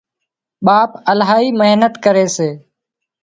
ٻاپ الاهي محنت ڪري سي